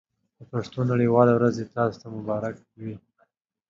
د پښتو نړۍ واله ورځ دې تاسو ته مبارک وي.